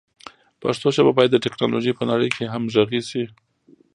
پښتو ژبه باید د ټکنالوژۍ په نړۍ کې همغږي شي.